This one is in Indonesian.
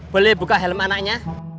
boleh buka helm anaknya